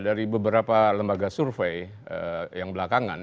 dari beberapa lembaga survei yang belakangan